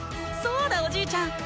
そうだおじいちゃん